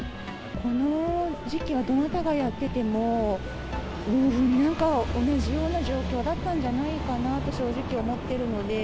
この時期はどなたがやってても、同じような状況だったんじゃないかなと、正直思ってるので。